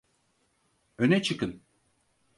Öne çıkın.